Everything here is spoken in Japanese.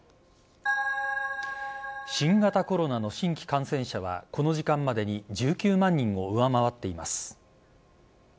新型コロナの新規感染者はこの時間までに１９万人を上回っています。